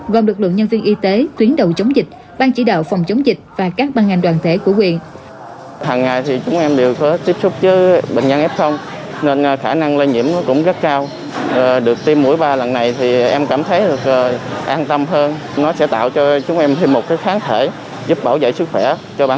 gồm lực lượng nhân viên y tế tuyến đầu chống dịch bang chỉ đạo phòng chống dịch và các băng ngành đoàn thể của huyện